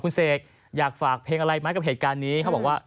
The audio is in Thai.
คุณเสกอยากฝากเพลงอะไรไหมกับเหตุการณ์นี้เขาบอกว่า